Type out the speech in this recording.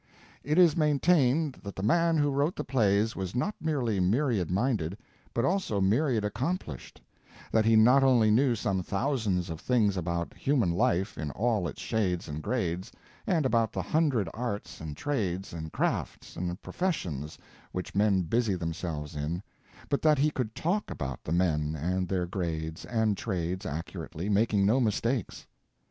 It is maintained that the man who wrote the plays was not merely myriad minded, but also myriad accomplished: that he not only knew some thousands of things about human life in all its shades and grades, and about the hundred arts and trades and crafts and professions which men busy themselves in, but that he could talk about the men and their grades and trades accurately, making no mistakes.